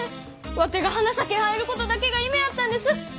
ワテが花咲入ることだけが夢やったんです！